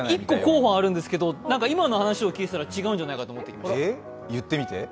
１個候補があるんですけど、今の話を聞いていたら違うんじゃないかと思って。